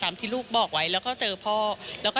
แล้วคือเราต้องการคำตอบว่าจะเขาไปขอเราเมื่อไหร่